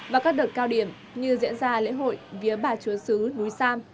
vào các đợt cao điểm như diễn ra lễ hội vía bà chúa sứ núi sam